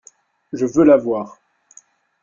Je veux la voir.